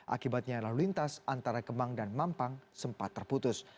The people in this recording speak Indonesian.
akibatnya lalu lintas antara kemang dan mampang sempat terputus